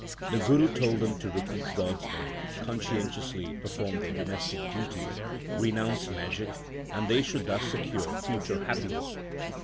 The Guru told them to repeat God s name, conscientiously perform their domestic duties, renounce magic, and they should thus secure future happiness.